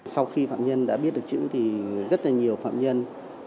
sau khi phạm nhân đã biết được chữ thì rất là nhiều phạm nhân